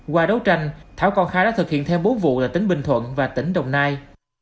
qua đấu tranh thảo còn khai đã thực hiện thêm bốn vụ ở tỉnh bình thuận và tỉnh đồng nai